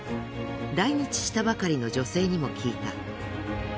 来日したばかりの女性にも聞いた。